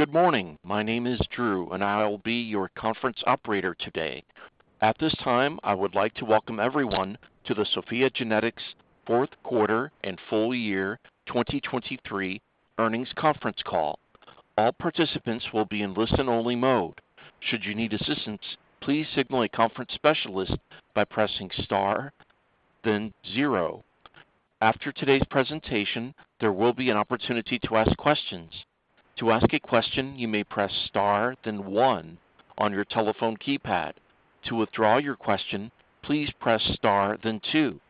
Good morning. My name is Drew, and I'll be your conference operator today. At this time, I would like to welcome everyone to the SOPHiA GENETICS Fourth Quarter and full Year 2023 earnings conference call. All participants will be in listen-only mode. Should you need assistance, please signal a conference specialist by pressing star, then zero. After today's presentation, there will be an opportunity to ask questions. To ask a question, you may press star, then one on your telephone keypad. To withdraw your question, please press star, then two.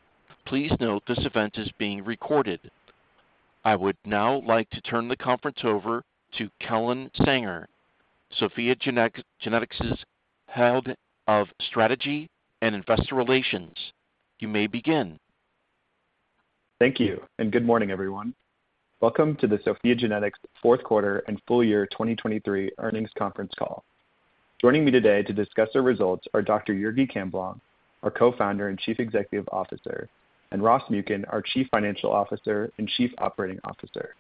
Please note this event is being recorded. I would now like to turn the conference over to Kellen Sanger, SOPHiA GENETICS's Head of Strategy and Investor Relations. You may begin. Thank you, and good morning, everyone. Welcome to the SOPHiA GENETICS Fourth Quarter and Full Year 2023 earnings conference call. Joining me today to discuss the results are Dr. Jurgi Camblong, our co-founder and Chief Executive Officer, and Ross Muken, our Chief Financial Officer and Chief Operating Officer.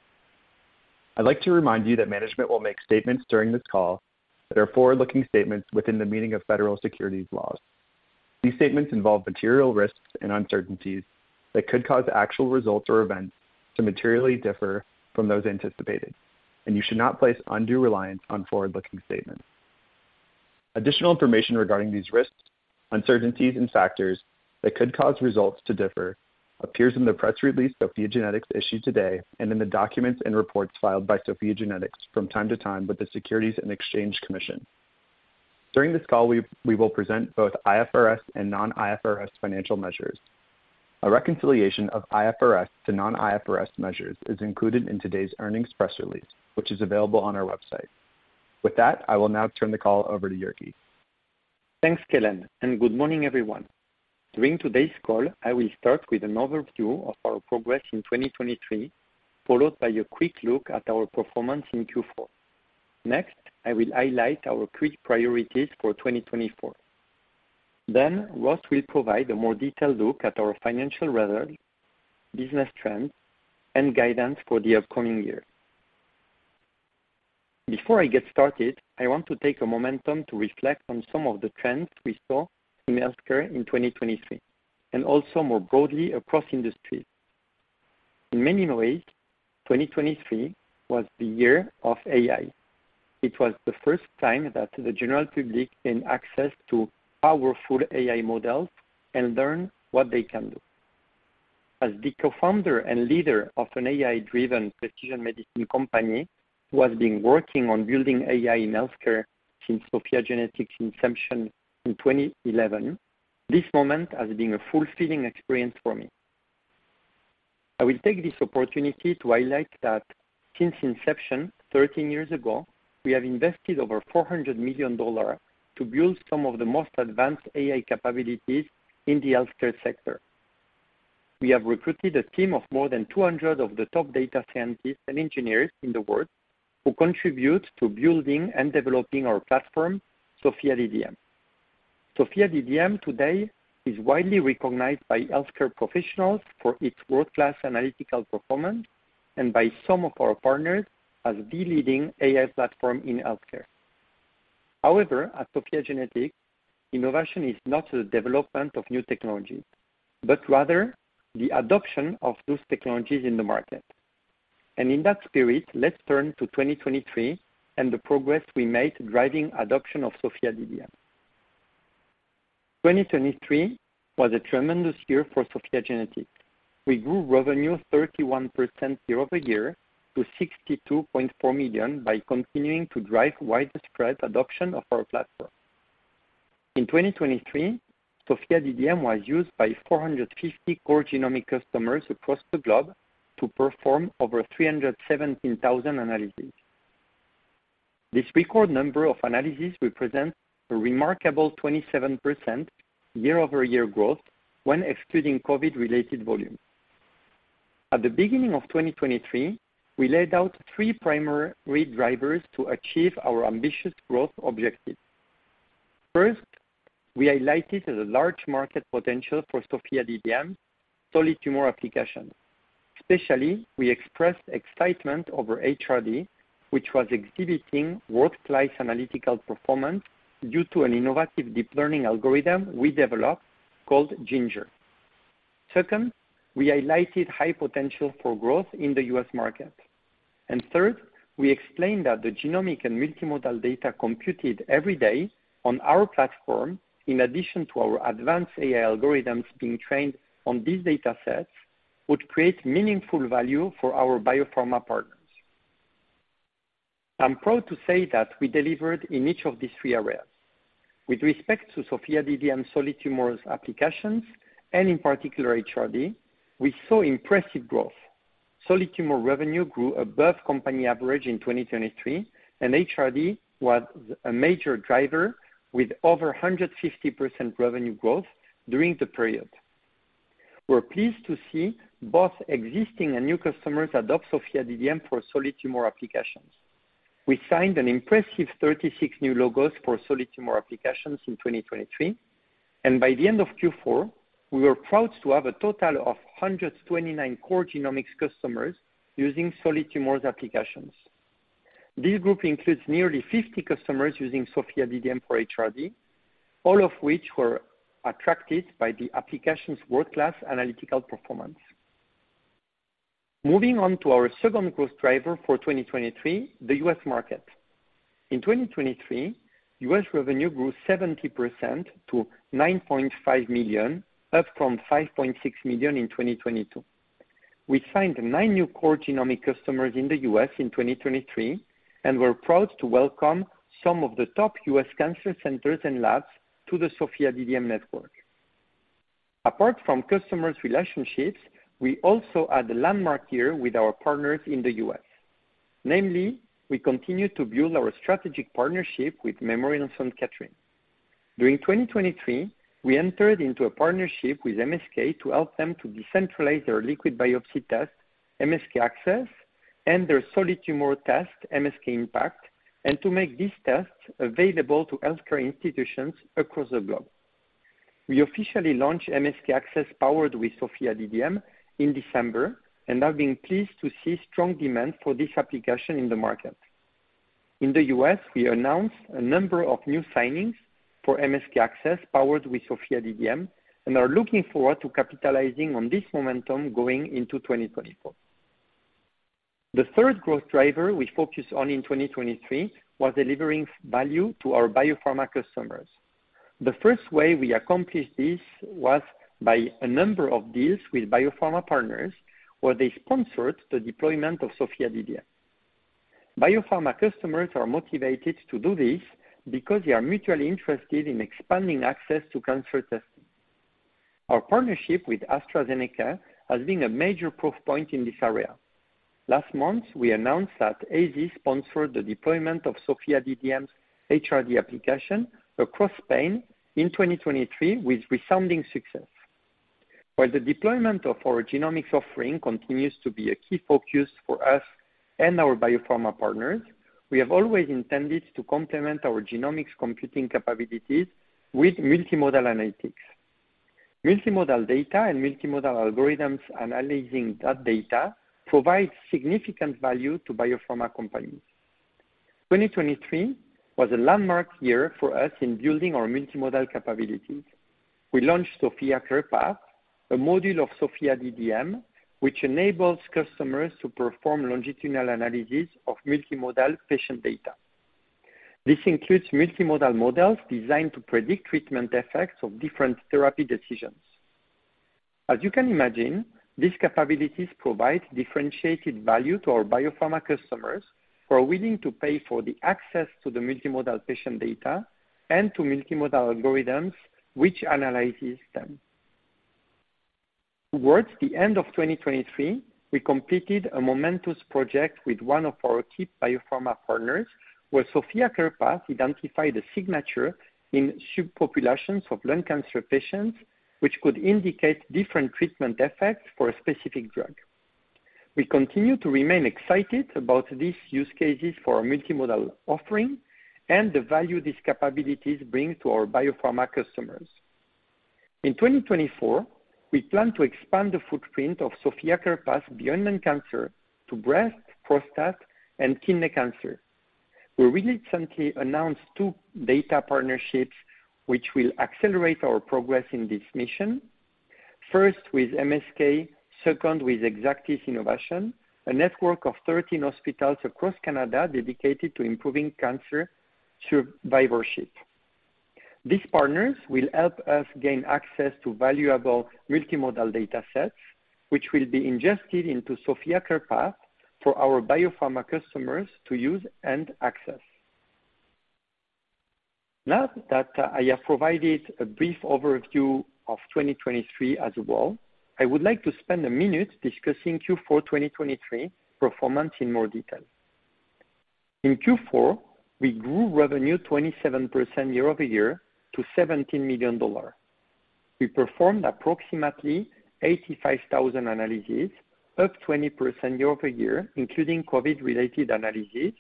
I'd like to remind you that management will make statements during this call that are forward-looking statements within the meaning of federal securities laws. These statements involve material risks and uncertainties that could cause actual results or events to materially differ from those anticipated, and you should not place undue reliance on forward-looking statements. Additional information regarding these risks, uncertainties, and factors that could cause results to differ appears in the press release SOPHiA GENETICS issued today and in the documents and reports filed by SOPHiA GENETICS from time to time with the Securities and Exchange Commission. During this call, we will present both IFRS and non-IFRS financial measures. A reconciliation of IFRS to non-IFRS measures is included in today's earnings press release, which is available on our website. With that, I will now turn the call over to Jurgi. Thanks, Kellen, and good morning, everyone. During today's call, I will start with an overview of our progress in 2023, followed by a quick look at our performance in Q4. Next, I will highlight our key priorities for 2024. Then Ross will provide a more detailed look at our financial results, business trends, and guidance for the upcoming year. Before I get started, I want to take a moment to reflect on some of the trends we saw in healthcare in 2023, and also more broadly across industries. In many ways, 2023 was the year of AI. It was the first time that the general public gained access to powerful AI models and learned what they can do. As the co-founder and leader of an AI-driven precision medicine company who has been working on building AI in healthcare since SOPHiA GENETICS' inception in 2011, this moment has been a fulfilling experience for me. I will take this opportunity to highlight that since inception, 13 years ago, we have invested over $400 million to build some of the most advanced AI capabilities in the healthcare sector. We have recruited a team of more than 200 of the top data scientists and engineers in the world who contribute to building and developing our platform, SOPHiA DDM. SOPHiA DDM today is widely recognized by healthcare professionals for its world-class analytical performance and by some of our partners as the leading AI platform in healthcare. However, at SOPHiA GENETICS, innovation is not the development of new technologies, but rather the adoption of those technologies in the market. And in that spirit, let's turn to 2023 and the progress we made driving adoption of SOPHiA DDM. 2023 was a tremendous year for SOPHiA GENETICS. We grew revenue 31% year-over-year to $62.4 million by continuing to drive widespread adoption of our platform. In 2023, SOPHiA DDM was used by 450 core genomic customers across the globe to perform over 317,000 analyses. This record number of analyses represents a remarkable 27% year-over-year growth when excluding COVID-related volumes. At the beginning of 2023, we laid out three primary drivers to achieve our ambitious growth objectives. First, we highlighted the large market potential for SOPHiA DDM, solid tumor applications. Especially, we expressed excitement over HRD, which was exhibiting world-class analytical performance due to an innovative deep learning algorithm we developed called GIInger. Second, we highlighted high potential for growth in the U.S. market. Third, we explained that the genomic and multimodal data computed every day on our platform, in addition to our advanced AI algorithms being trained on these datasets, would create meaningful value for our biopharma partners. I'm proud to say that we delivered in each of these three areas. With respect to SOPHiA DDM Solid Tumors applications, and in particular HRD, we saw impressive growth. Solid tumor revenue grew above company average in 2023, and HRD was a major driver with over 150% revenue growth during the period. We're pleased to see both existing and new customers adopt SOPHiA DDM for Solid Tumor applications. We signed an impressive 36 new logos for Solid Tumor applications in 2023, and by the end of Q4, we were proud to have a total of 129 core genomics customers using Solid Tumors applications. This group includes nearly 50 customers using SOPHiA DDM for HRD, all of which were attracted by the application's world-class analytical performance. Moving on to our second growth driver for 2023, the U.S. market. In 2023, U.S. revenue grew 70% to $9.5 million, up from $5.6 million in 2022. We signed nine new core genomic customers in the U.S. in 2023 and were proud to welcome some of the top U.S. cancer centers and labs to the SOPHiA DDM network. Apart from customers' relationships, we also had a landmark year with our partners in the U.S. Namely, we continued to build our strategic partnership with Memorial Sloan Kettering. During 2023, we entered into a partnership with MSK to help them to decentralize their liquid biopsy test, MSK-ACCESS, and their solid tumor test, MSK-IMPACT, and to make these tests available to healthcare institutions across the globe. We officially launched MSK-ACCESS powered with SOPHiA DDM in December and have been pleased to see strong demand for this application in the market. In the U.S., we announced a number of new signings for MSK-ACCESS powered with SOPHiA DDM and are looking forward to capitalizing on this momentum going into 2024. The third growth driver we focused on in 2023 was delivering value to our biopharma customers. The first way we accomplished this was by a number of deals with biopharma partners where they sponsored the deployment of SOPHiA DDM. Biopharma customers are motivated to do this because they are mutually interested in expanding access to cancer testing. Our partnership with AstraZeneca has been a major proof point in this area. Last month, we announced that AZ sponsored the deployment of SOPHiA DDM's HRD application across Spain in 2023 with resounding success. While the deployment of our genomics offering continues to be a key focus for us and our biopharma partners, we have always intended to complement our genomics computing capabilities with multimodal analytics. Multimodal data and multimodal algorithms analyzing that data provide significant value to biopharma companies. 2023 was a landmark year for us in building our multimodal capabilities. We launched SOPHiA CarePath, a module of SOPHiA DDM which enables customers to perform longitudinal analysis of multimodal patient data. This includes multimodal models designed to predict treatment effects of different therapy decisions. As you can imagine, these capabilities provide differentiated value to our biopharma customers who are willing to pay for the access to the multimodal patient data and to multimodal algorithms which analyze them. Towards the end of 2023, we completed a momentous project with one of our key biopharma partners where SOPHiA CarePath identified a signature in subpopulations of lung cancer patients which could indicate different treatment effects for a specific drug. We continue to remain excited about these use cases for our multimodal offering and the value these capabilities bring to our biopharma customers. In 2024, we plan to expand the footprint of SOPHiA CarePath beyond lung cancer to breast, prostate, and kidney cancer. We recently announced two data partnerships which will accelerate our progress in this mission. First with MSK, second with Exactis Innovation, a network of 13 hospitals across Canada dedicated to improving cancer survivorship. These partners will help us gain access to valuable multimodal datasets which will be ingested into SOPHiA CarePath for our biopharma customers to use and access. Now that I have provided a brief overview of 2023 as well, I would like to spend a minute discussing Q4 2023 performance in more detail. In Q4, we grew revenue 27% year-over-year to $17 million. We performed approximately 85,000 analyses, up 20% year-over-year including COVID-related analyses,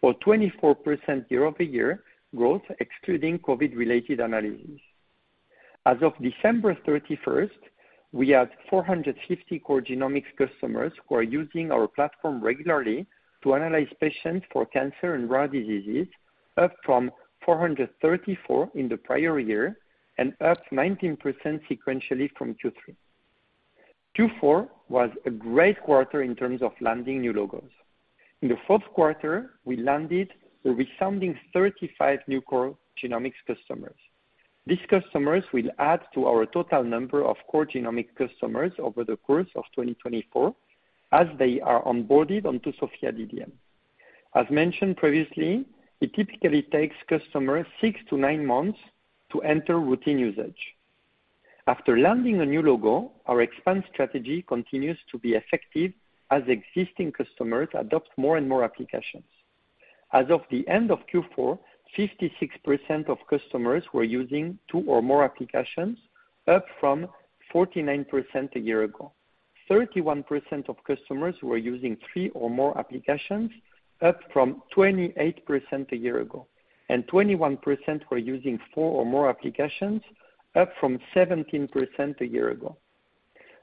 or 24% year-over-year growth excluding COVID-related analyses. As of December 31st, we had 450 core genomics customers who are using our platform regularly to analyze patients for cancer and rare diseases, up from 434 in the prior year and up 19% sequentially from Q3. Q4 was a great quarter in terms of landing new logos. In the fourth quarter, we landed a resounding 35 new core genomics customers. These customers will add to our total number of core genomic customers over the course of 2024 as they are onboarded onto SOPHiA DDM. As mentioned previously, it typically takes customers 6-9 months to enter routine usage. After landing a new logo, our expand strategy continues to be effective as existing customers adopt more and more applications. As of the end of Q4, 56% of customers were using two or more applications, up from 49% a year ago. 31% of customers were using three or more applications, up from 28% a year ago. 21% were using four or more applications, up from 17% a year ago.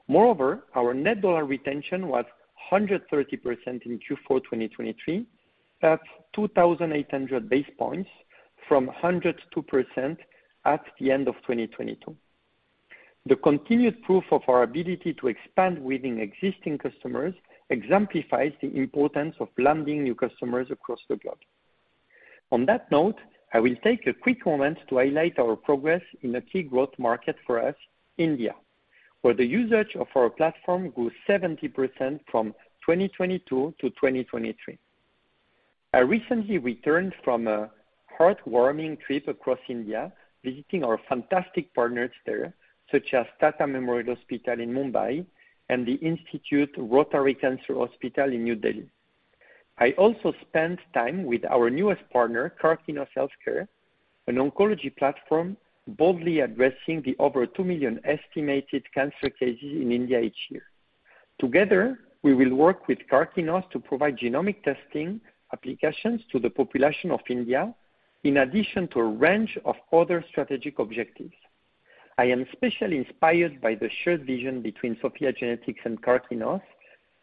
Moreover, our net dollar retention was 130% in Q4 2023, up 2,800 basis points from 102% at the end of 2022. The continued proof of our ability to expand within existing customers exemplifies the importance of landing new customers across the globe. On that note, I will take a quick moment to highlight our progress in a key growth market for us, India, where the usage of our platform grew 70% from 2022-2023. I recently returned from a heartwarming trip across India visiting our fantastic partners there, such as Tata Memorial Hospital in Mumbai and the Institute Rotary Cancer Hospital in New Delhi. I also spent time with our newest partner, Karkinos Healthcare, an oncology platform boldly addressing the over 2 million estimated cancer cases in India each year. Together, we will work with Karkinos to provide genomic testing applications to the population of India, in addition to a range of other strategic objectives. I am especially inspired by the shared vision between SOPHiA GENETICS and Karkinos,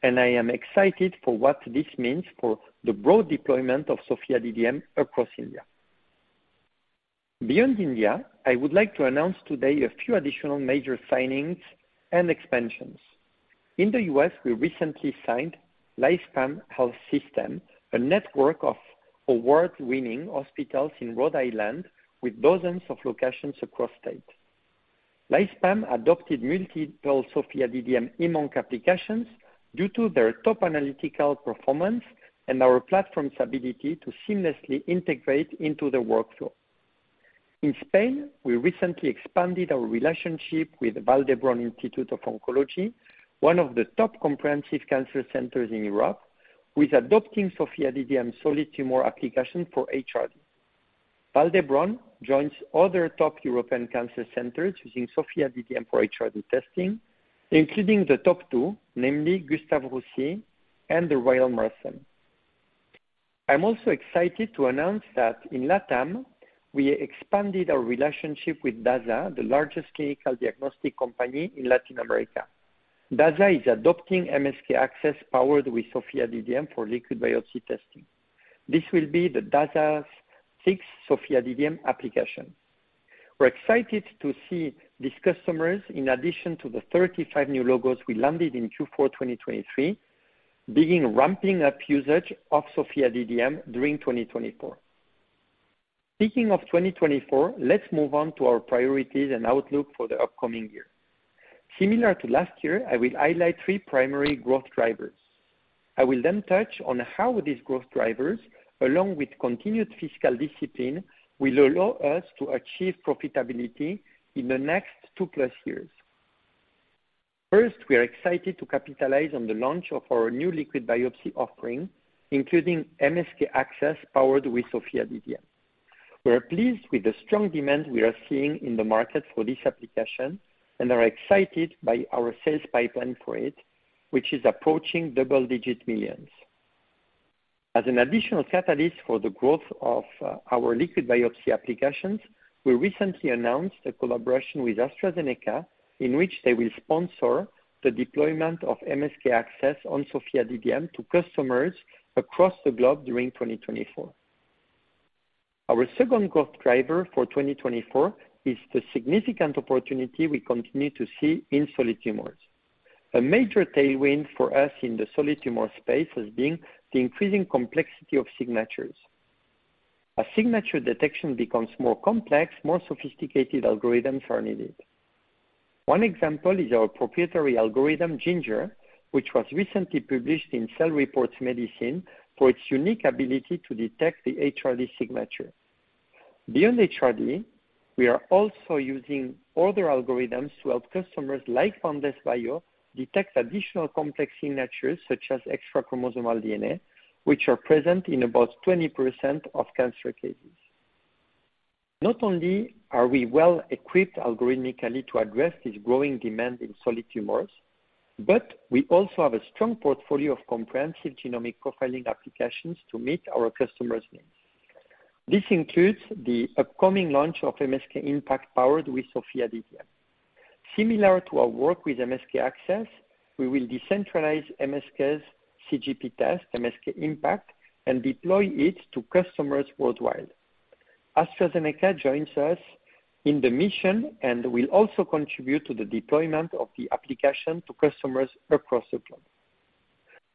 and I am excited for what this means for the broad deployment of SOPHiA DDM across India. Beyond India, I would like to announce today a few additional major signings and expansions. In the U.S., we recently signed Lifespan, a network of award-winning hospitals in Rhode Island with dozens of locations across states. Lifespan adopted multiple SOPHiA DDM Heme-Onc applications due to their top analytical performance and our platform's ability to seamlessly integrate into the workflow. In Spain, we recently expanded our relationship with Vall d'Hebron Institute of Oncology, one of the top comprehensive cancer centers in Europe, with adopting SOPHiA DDM solid tumor applications for HRD. Vall d'Hebron joins other top European cancer centers using SOPHiA DDM for HRD testing, including the top two, namely Gustave Roussy and The Royal Marsden. I'm also excited to announce that in LATAM, we expanded our relationship with Dasa, the largest clinical diagnostic company in Latin America. Dasa is adopting MSK-ACCESS powered with SOPHiA DDM for liquid biopsy testing. This will be Dasa's sixth SOPHiA DDM application. We're excited to see these customers, in addition to the 35 new logos we landed in Q4 2023, begin ramping up usage of SOPHiA DDM during 2024. Speaking of 2024, let's move on to our priorities and outlook for the upcoming year. Similar to last year, I will highlight three primary growth drivers. I will then touch on how these growth drivers, along with continued fiscal discipline, will allow us to achieve profitability in the next two-plus years. First, we are excited to capitalize on the launch of our new liquid biopsy offering, including MSK-ACCESS powered with SOPHiA DDM. We're pleased with the strong demand we are seeing in the market for this application and are excited by our sales pipeline for it, which is approaching double-digit millions. As an additional catalyst for the growth of our liquid biopsy applications, we recently announced a collaboration with AstraZeneca in which they will sponsor the deployment of MSK-ACCESS on SOPHiA DDM to customers across the globe during 2024. Our second growth driver for 2024 is the significant opportunity we continue to see in solid tumors. A major tailwind for us in the solid tumor space has been the increasing complexity of signatures. As signature detection becomes more complex, more sophisticated algorithms are needed. One example is our proprietary algorithm, Ginger, which was recently published in Cell Reports Medicine for its unique ability to detect the HRD signature. Beyond HRD, we are also using other algorithms to help customers like Boundless Bio detect additional complex signatures such as extrachromosomal DNA, which are present in about 20% of cancer cases. Not only are we well-equipped algorithmically to address this growing demand in solid tumors, but we also have a strong portfolio of comprehensive genomic profiling applications to meet our customers' needs. This includes the upcoming launch of MSK-IMPACT powered with SOPHiA DDM. Similar to our work with MSK-ACCESS, we will decentralize MSK's CGP test, MSK-IMPACT, and deploy it to customers worldwide. AstraZeneca joins us in the mission and will also contribute to the deployment of the application to customers across the globe.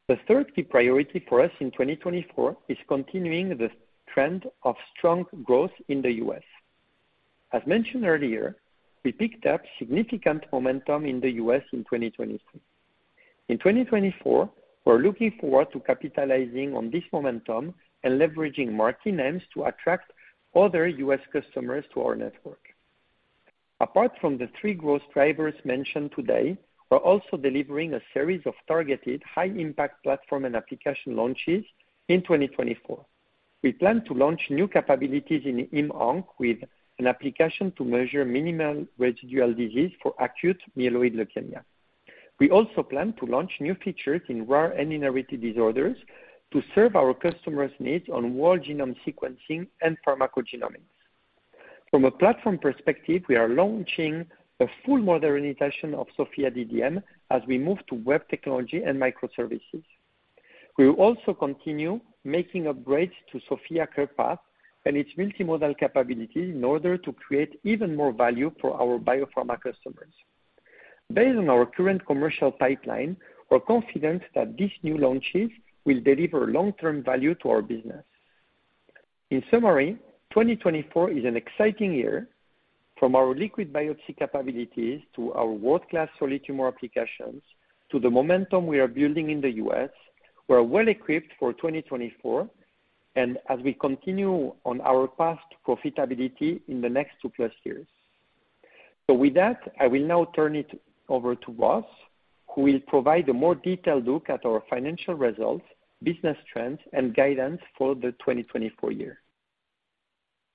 The third key priority for us in 2024 is continuing the trend of strong growth in the U.S. As mentioned earlier, we picked up significant momentum in the U.S. in 2023. In 2024, we're looking forward to capitalizing on this momentum and leveraging market names to attract other U.S. customers to our network. Apart from the three growth drivers mentioned today, we're also delivering a series of targeted high-impact platform and application launches in 2024. We plan to launch new capabilities in eMonk with an application to measure minimal residual disease for acute myeloid leukemia. We also plan to launch new features in rare and inherited disorders to serve our customers' needs on whole genome sequencing and pharmacogenomics. From a platform perspective, we are launching a full modernization of SOPHiA DDM as we move to web technology and microservices. We will also continue making upgrades to SOPHiA CarePath and its multimodal capabilities in order to create even more value for our biopharma customers. Based on our current commercial pipeline, we're confident that these new launches will deliver long-term value to our business. In summary, 2024 is an exciting year. From our liquid biopsy capabilities to our world-class solid tumor applications, to the momentum we are building in the U.S., we're well-equipped for 2024 and as we continue on our path to profitability in the next 2+ years. So with that, I will now turn it over to Ross, who will provide a more detailed look at our financial results, business trends, and guidance for the 2024 year.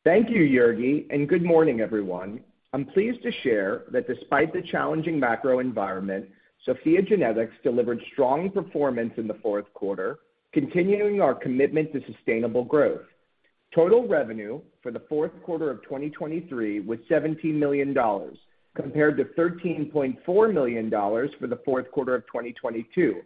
Thank you, Jurgi, and good morning, everyone. I'm pleased to share that despite the challenging macro environment, SOPHiA GENETICS delivered strong performance in the fourth quarter, continuing our commitment to sustainable growth. Total revenue for the fourth quarter of 2023 was $17 million compared to $13.4 million for the fourth quarter of 2022,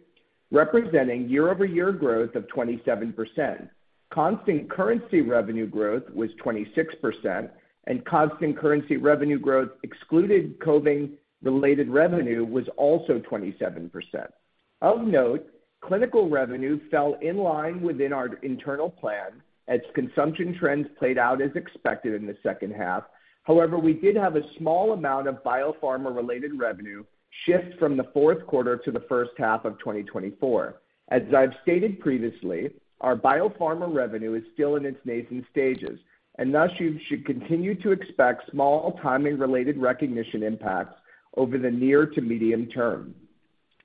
representing year-over-year growth of 27%. Constant currency revenue growth was 26%, and constant currency revenue growth excluding COVID-related revenue was also 27%. Of note, clinical revenue fell in line within our internal plan as consumption trends played out as expected in the second half. However, we did have a small amount of biopharma-related revenue shift from the fourth quarter to the first half of 2024. As I've stated previously, our biopharma revenue is still in its nascent stages, and thus you should continue to expect small timing-related recognition impacts over the near to medium term.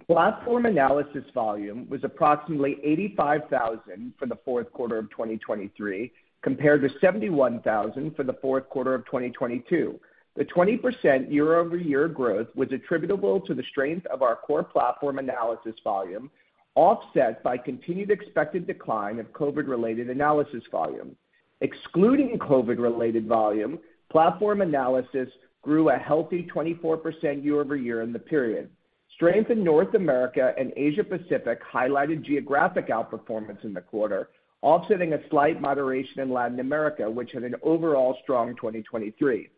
Platform analysis volume was approximately 85,000 for the fourth quarter of 2023 compared to 71,000 for the fourth quarter of 2022. The 20% year-over-year growth was attributable to the strength of our core platform analysis volume, offset by continued expected decline of COVID-related analysis volume. Excluding COVID-related volume, platform analysis grew a healthy 24% year-over-year in the period. Strength in North America and Asia-Pacific highlighted geographic outperformance in the quarter, offsetting a slight moderation in Latin America, which had an overall strong 2023.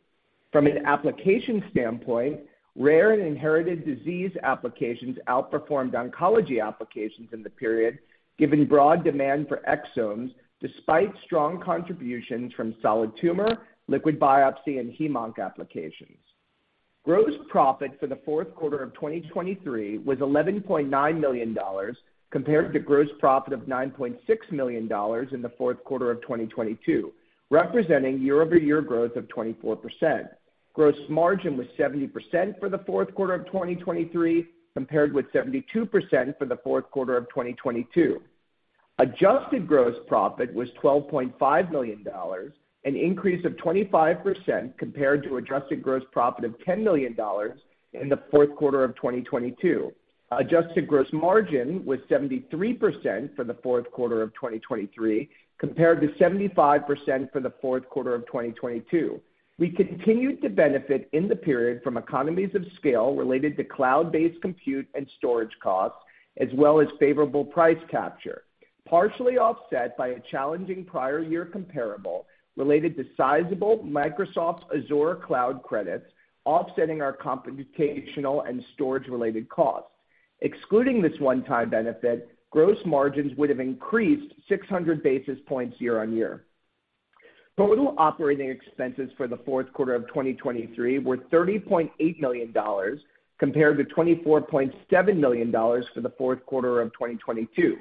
From an application standpoint, rare and inherited disease applications outperformed oncology applications in the period, given broad demand for exomes despite strong contributions from solid tumor, liquid biopsy, and eMonk applications. Gross profit for the fourth quarter of 2023 was $11.9 million compared to gross profit of $9.6 million in the fourth quarter of 2022, representing year-over-year growth of 24%. Gross margin was 70% for the fourth quarter of 2023 compared with 72% for the fourth quarter of 2022. Adjusted gross profit was $12.5 million, an increase of 25% compared to adjusted gross profit of $10 million in the fourth quarter of 2022. Adjusted gross margin was 73% for the fourth quarter of 2023 compared to 75% for the fourth quarter of 2022. We continued to benefit in the period from economies of scale related to cloud-based compute and storage costs, as well as favorable price capture, partially offset by a challenging prior year comparable related to sizable Microsoft Azure Cloud credits, offsetting our computational and storage-related costs. Excluding this one-time benefit, gross margins would have increased 600 basis points year-over-year. Total operating expenses for the fourth quarter of 2023 were $30.8 million compared to $24.7 million for the fourth quarter of 2022.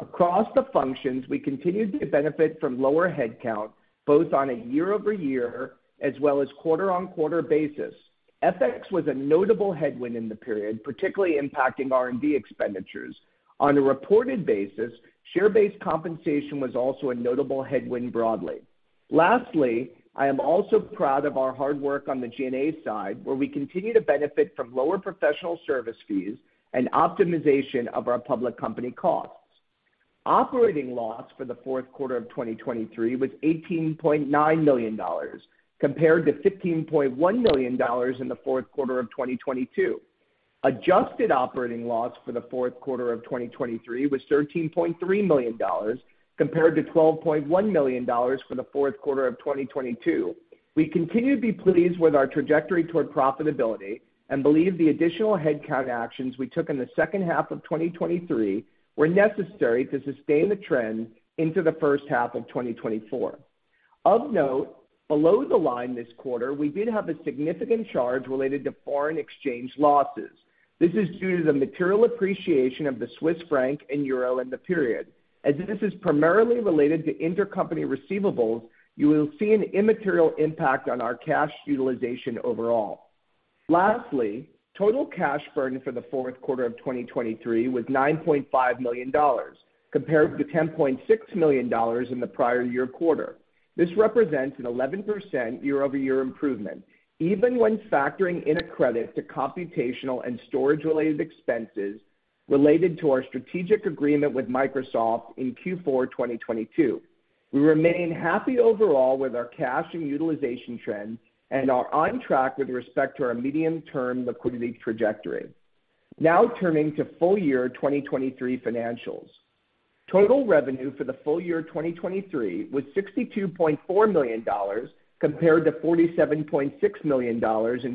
Across the functions, we continued to benefit from lower headcount, both on a year-over-year as well as quarter-on-quarter basis. FX was a notable headwind in the period, particularly impacting R&D expenditures. On a reported basis, share-based compensation was also a notable headwind broadly. Lastly, I am also proud of our hard work on the G&A side, where we continue to benefit from lower professional service fees and optimization of our public company costs. Operating loss for the fourth quarter of 2023 was $18.9 million compared to $15.1 million in the fourth quarter of 2022. Adjusted operating loss for the fourth quarter of 2023 was $13.3 million compared to $12.1 million for the fourth quarter of 2022. We continue to be pleased with our trajectory toward profitability and believe the additional headcount actions we took in the second half of 2023 were necessary to sustain the trend into the first half of 2024. Of note, below the line this quarter, we did have a significant charge related to foreign exchange losses. This is due to the material appreciation of the Swiss franc and euro in the period. As this is primarily related to intercompany receivables, you will see an immaterial impact on our cash utilization overall. Lastly, total cash burn for the fourth quarter of 2023 was $9.5 million compared to $10.6 million in the prior year quarter. This represents an 11% year-over-year improvement, even when factoring in a credit to computational and storage-related expenses related to our strategic agreement with Microsoft in Q4 2022. We remain happy overall with our cash and utilization trends and are on track with respect to our medium-term liquidity trajectory. Now turning to full-year 2023 financials. Total revenue for the full year 2023 was $62.4 million compared to $47.6 million in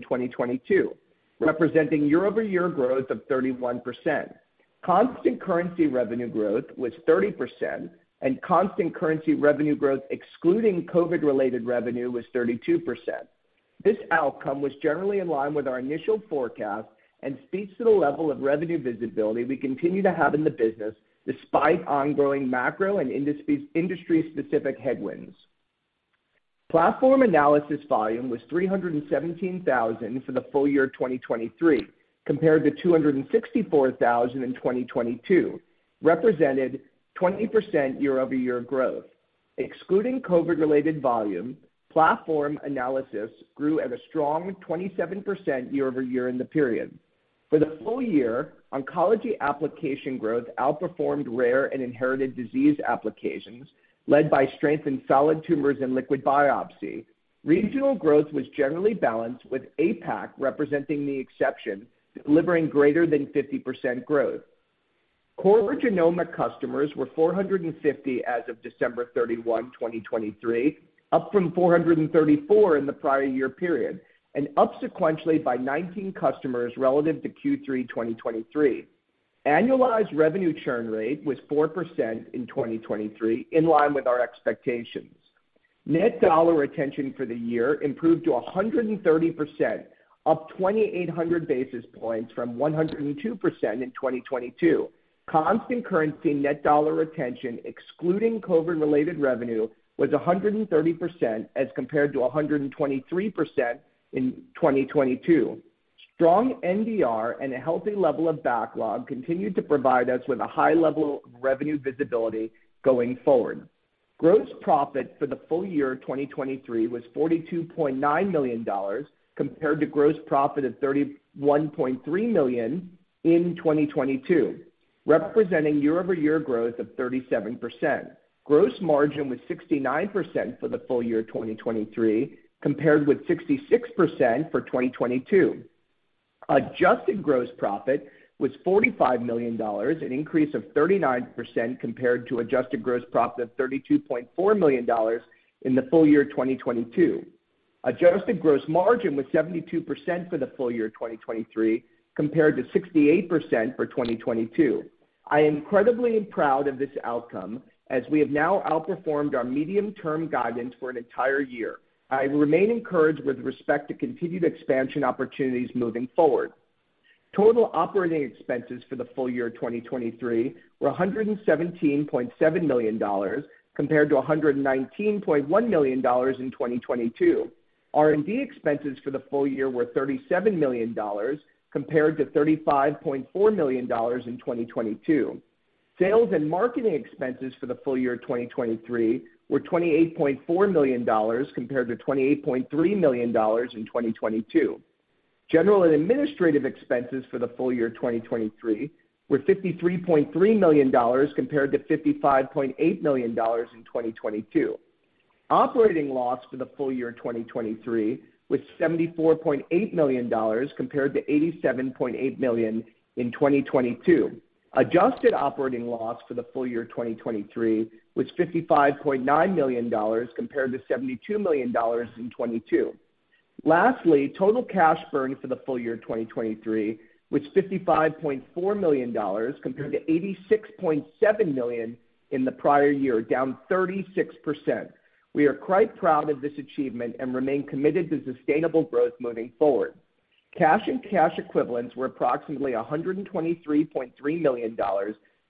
2022, representing year-over-year growth of 31%. Constant currency revenue growth was 30%, and constant currency revenue growth excluding COVID-related revenue was 32%. This outcome was generally in line with our initial forecast and speaks to the level of revenue visibility we continue to have in the business despite ongoing macro and industry-specific headwinds. Platform analysis volume was 317,000 for the full year 2023 compared to 264,000 in 2022, representing 20% year-over-year growth. Excluding COVID-related volume, platform analysis grew at a strong 27% year-over-year in the period. For the full year, oncology application growth outperformed rare and inherited disease applications, led by strength in solid tumors and liquid biopsy. Regional growth was generally balanced, with APAC representing the exception delivering greater than 50% growth. Core genomic customers were 450 as of December 31, 2023, up from 434 in the prior year period, and up sequentially by 19 customers relative to Q3 2023. Annualized revenue churn rate was 4% in 2023, in line with our expectations. Net dollar retention for the year improved to 130%, up 2,800 basis points from 102% in 2022. Constant currency net dollar retention excluding COVID-related revenue was 130% as compared to 123% in 2022. Strong NDR and a healthy level of backlog continued to provide us with a high level of revenue visibility going forward. Gross profit for the full year 2023 was $42.9 million compared to gross profit of $31.3 million in 2022, representing year-over-year growth of 37%. Gross margin was 69% for the full year 2023 compared with 66% for 2022. Adjusted gross profit was $45 million, an increase of 39% compared to adjusted gross profit of $32.4 million in the full year 2022. Adjusted gross margin was 72% for the full year 2023 compared to 68% for 2022. I am incredibly proud of this outcome as we have now outperformed our medium-term guidance for an entire year. I remain encouraged with respect to continued expansion opportunities moving forward. Total operating expenses for the full year 2023 were $117.7 million compared to $119.1 million in 2022. R&D expenses for the full year were $37 million compared to $35.4 million in 2022. Sales and marketing expenses for the full year 2023 were $28.4 million compared to $28.3 million in 2022. General and administrative expenses for the full year 2023 were $53.3 million compared to $55.8 million in 2022. Operating loss for the full year 2023 was $74.8 million compared to $87.8 million in 2022. Adjusted operating loss for the full year 2023 was $55.9 million compared to $72 million in 2022. Lastly, total cash burn for the full year 2023 was $55.4 million compared to $86.7 million in the prior year, down 36%. We are quite proud of this achievement and remain committed to sustainable growth moving forward. Cash and cash equivalents were approximately $123.3 million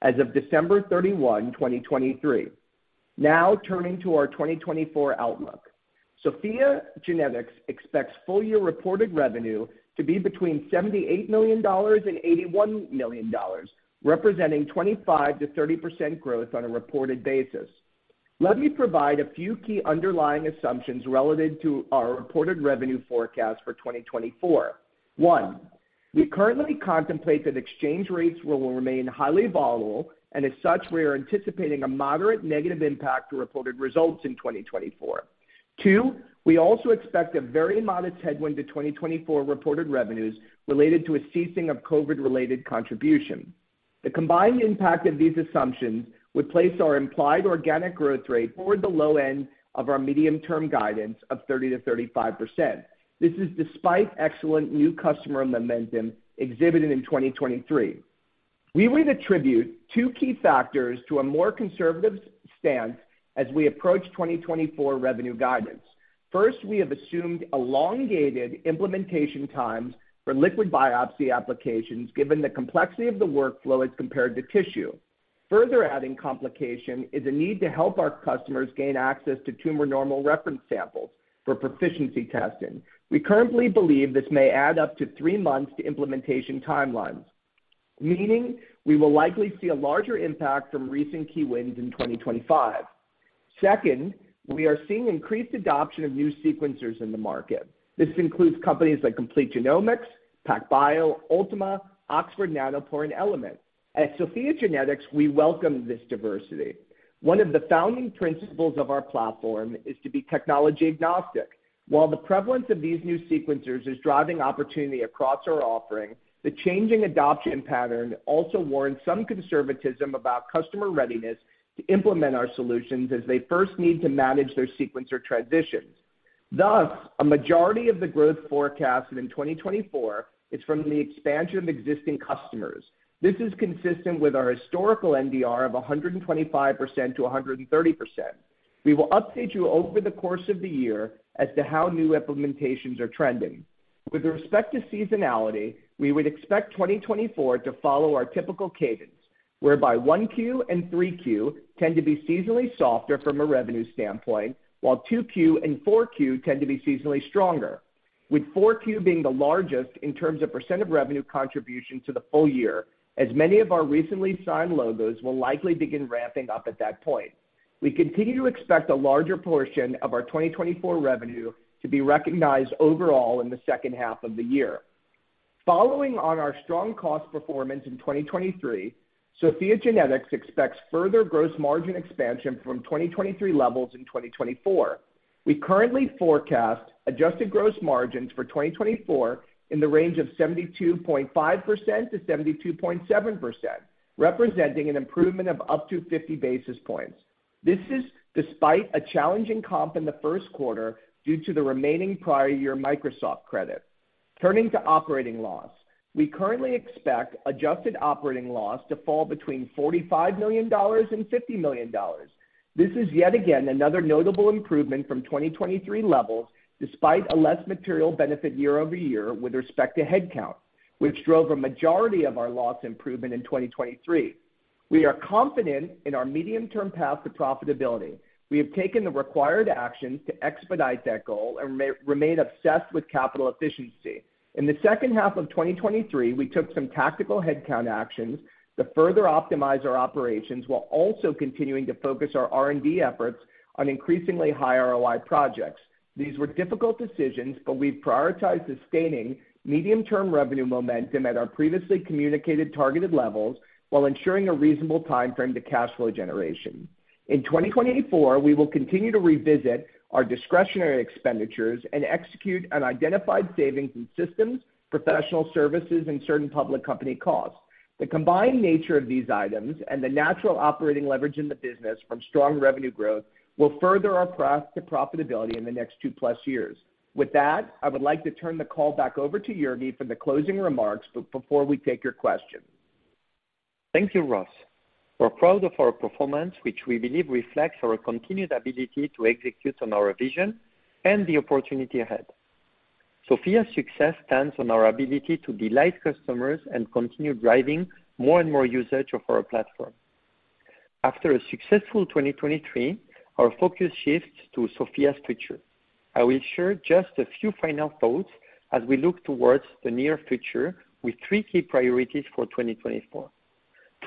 as of December 31, 2023. Now turning to our 2024 outlook. SOPHiA GENETICS expects full-year reported revenue to be between $78 million and $81 million, representing 25%-30% growth on a reported basis. Let me provide a few key underlying assumptions relative to our reported revenue forecast for 2024. One, we currently contemplate that exchange rates will remain highly volatile, and as such, we are anticipating a moderate negative impact to reported results in 2024. Two, we also expect a very modest headwind to 2024 reported revenues related to a ceasing of COVID-related contribution. The combined impact of these assumptions would place our implied organic growth rate toward the low end of our medium-term guidance of 30%-35%. This is despite excellent new customer momentum exhibited in 2023. We would attribute two key factors to a more conservative stance as we approach 2024 revenue guidance. First, we have assumed elongated implementation times for liquid biopsy applications, given the complexity of the workflow as compared to tissue. Further adding complication is a need to help our customers gain access to tumor normal reference samples for proficiency testing. We currently believe this may add up to three months to implementation timelines, meaning we will likely see a larger impact from recent key wins in 2025. Second, we are seeing increased adoption of new sequencers in the market. This includes companies like Complete Genomics, PacBio, Ultima, Oxford Nanopore, and Element. At SOPHiA GENETICS, we welcome this diversity. One of the founding principles of our platform is to be technology-agnostic. While the prevalence of these new sequencers is driving opportunity across our offering, the changing adoption pattern also warrants some conservatism about customer readiness to implement our solutions as they first need to manage their sequencer transitions. Thus, a majority of the growth forecasted in 2024 is from the expansion of existing customers. This is consistent with our historical NDR of 125%-130%. We will update you over the course of the year as to how new implementations are trending. With respect to seasonality, we would expect 2024 to follow our typical cadence, whereby 1Q and 3Q tend to be seasonally softer from a revenue standpoint, while 2Q and 4Q tend to be seasonally stronger, with 4Q being the largest in terms of % of revenue contribution to the full year, as many of our recently signed logos will likely begin ramping up at that point. We continue to expect a larger portion of our 2024 revenue to be recognized overall in the second half of the year. Following on our strong cost performance in 2023, SOPHiA GENETICS expects further gross margin expansion from 2023 levels in 2024. We currently forecast adjusted gross margins for 2024 in the range of 72.5%-72.7%, representing an improvement of up to 50 basis points. This is despite a challenging comp in the first quarter due to the remaining prior year Microsoft credit. Turning to operating loss, we currently expect adjusted operating loss to fall between $45 million-$50 million. This is yet again another notable improvement from 2023 levels, despite a less material benefit year over year with respect to headcount, which drove a majority of our loss improvement in 2023. We are confident in our medium-term path to profitability. We have taken the required actions to expedite that goal and remain obsessed with capital efficiency. In the second half of 2023, we took some tactical headcount actions to further optimize our operations while also continuing to focus our R&D efforts on increasingly high ROI projects. These were difficult decisions, but we've prioritized sustaining medium-term revenue momentum at our previously communicated targeted levels while ensuring a reasonable timeframe to cash flow generation. In 2024, we will continue to revisit our discretionary expenditures and execute on identified savings in systems, professional services, and certain public company costs. The combined nature of these items and the natural operating leverage in the business from strong revenue growth will further our path to profitability in the next 2+ years. With that, I would like to turn the call back over to Jurgi for the closing remarks, but before we take your questions. Thank you, Ross. We're proud of our performance, which we believe reflects our continued ability to execute on our vision and the opportunity ahead. SOPHiA's success stands on our ability to delight customers and continue driving more and more usage of our platform. After a successful 2023, our focus shifts to SOPHiA's future. I will share just a few final thoughts as we look towards the near future with three key priorities for 2024.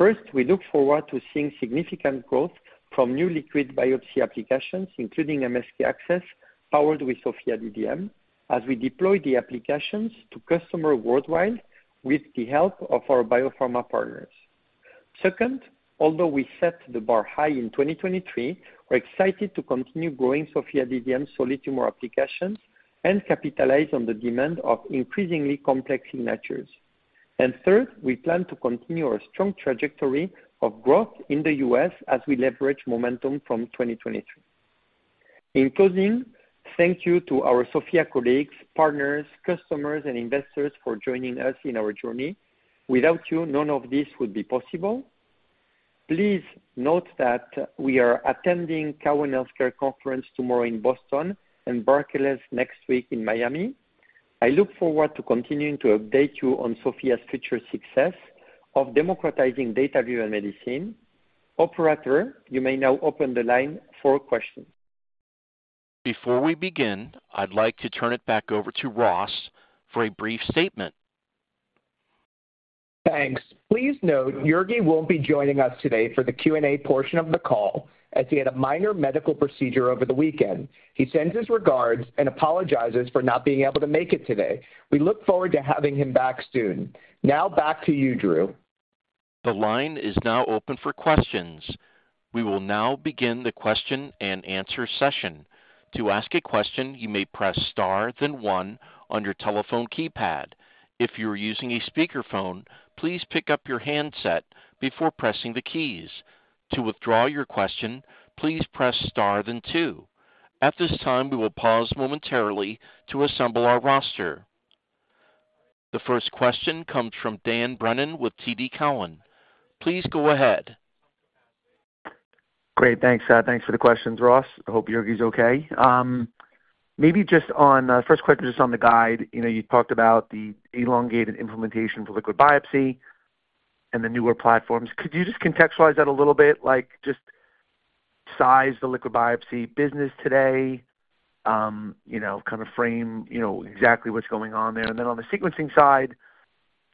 First, we look forward to seeing significant growth from new liquid biopsy applications, including MSK-ACCESS powered with SOPHiA DDM, as we deploy the applications to customers worldwide with the help of our biopharma partners. Second, although we set the bar high in 2023, we're excited to continue growing SOPHiA DDM solid tumor applications and capitalize on the demand of increasingly complex signatures. And third, we plan to continue our strong trajectory of growth in the U.S. as we leverage momentum from 2023. In closing, thank you to our SOPHiA colleagues, partners, customers, and investors for joining us in our journey. Without you, none of this would be possible. Please note that we are attending Cowen Healthcare Conference tomorrow in Boston and Barclays next week in Miami. I look forward to continuing to update you on SOPHiA's future success of democratizing data-driven medicine. Operator, you may now open the line for questions. Before we begin, I'd like to turn it back over to Ross for a brief statement. Thanks. Please note, Jurgi won't be joining us today for the Q&A portion of the call as he had a minor medical procedure over the weekend. He sends his regards and apologizes for not being able to make it today. We look forward to having him back soon. Now back to you, Drew. The line is now open for questions. We will now begin the question-and-answer session. To ask a question, you may press star then one on your telephone keypad. If you are using a speakerphone, please pick up your handset before pressing the keys. To withdraw your question, please press star then two. At this time, we will pause momentarily to assemble our roster. The first question comes from Dan Brennan with TD Cowen. Please go ahead. Great. Thanks. Thanks for the questions, Ross. Hope Jurgi's okay. Maybe just on the first question, just on the guide, you talked about the elongated implementation for liquid biopsy and the newer platforms. Could you just contextualize that a little bit, just size the liquid biopsy business today, kind of frame exactly what's going on there? And then on the sequencing side,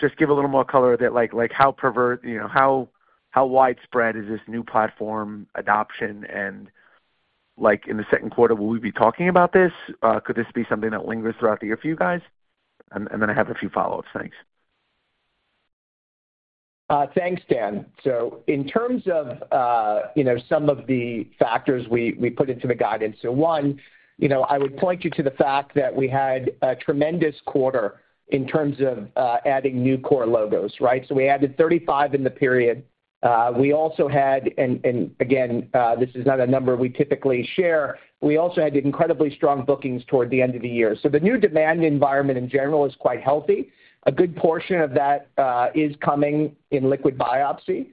just give a little more color a bit like how widespread is this new platform adoption? And in the second quarter, will we be talking about this? Could this be something that lingers throughout the year for you guys? And then I have a few follow-ups. Thanks. Thanks, Dan. So in terms of some of the factors we put into the guidance, so one, I would point you to the fact that we had a tremendous quarter in terms of adding new core logos, right? So we added 35 in the period. We also had, and again, this is not a number we typically share, incredibly strong bookings toward the end of the year. So the new demand environment in general is quite healthy. A good portion of that is coming in liquid biopsy.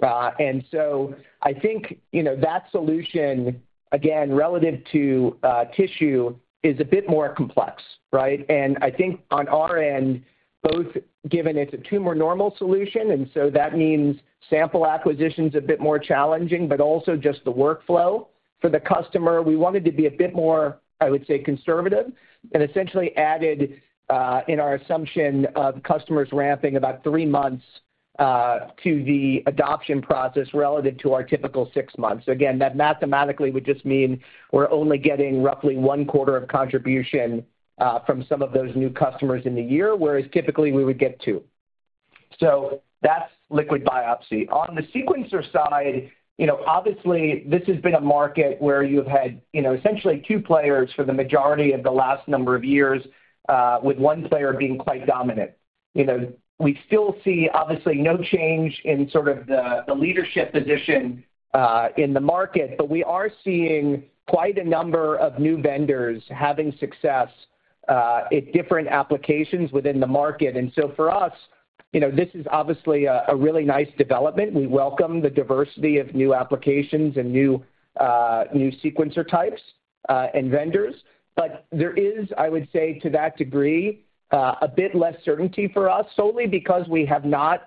And so I think that solution, again, relative to tissue, is a bit more complex, right? And I think on our end, both given it's a tumor normal solution, and so that means sample acquisition is a bit more challenging, but also just the workflow for the customer, we wanted to be a bit more, I would say, conservative and essentially added in our assumption of customers ramping about three months to the adoption process relative to our typical six months. Again, that mathematically would just mean we're only getting roughly 1/4 of contribution from some of those new customers in the year, whereas typically we would get two. So that's liquid biopsy. On the sequencer side, obviously, this has been a market where you've had essentially two players for the majority of the last number of years, with one player being quite dominant. We still see, obviously, no change in sort of the leadership position in the market, but we are seeing quite a number of new vendors having success at different applications within the market. So for us, this is obviously a really nice development. We welcome the diversity of new applications and new sequencer types and vendors. But there is, I would say, to that degree, a bit less certainty for us solely because we have not